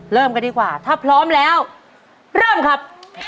เริ่มกันดีกว่าถ้าพร้อมแล้วเริ่มครับ